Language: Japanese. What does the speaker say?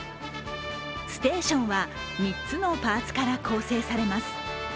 ステーションは、３つのパーツから構成されます。